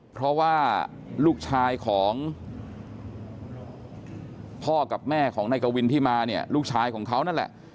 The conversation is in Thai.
เพราะว่าลูกชายของพ่อกับแม่ของนายกวินที่มาเนี่ยลูกชายของเขานั่นแหละ